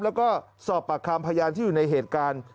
แล้วก็สอบปากคำพยานที่อยู่ในเหตุการณ์